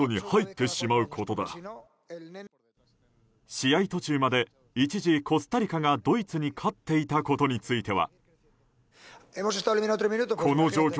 試合途中まで一時コスタリカが、ドイツに勝っていたことについては。